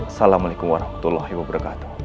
assalamualaikum warahmatullahi wabarakatuh